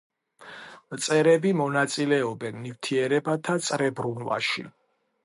მწერები მონაწილეობენ ნივთიერებათა წრებრუნვაში.